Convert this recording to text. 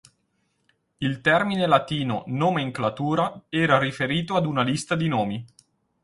Il termine latino "nomenclatura" era riferito ad una lista di nomi.